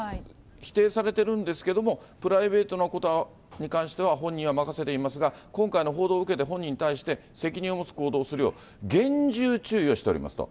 否定されてるんですけども、プライベートなことに関しては本人に任せていますが、今回の報道を受けて、本人に対して、責任を持つ行動をするよう厳重注意をしておりますと。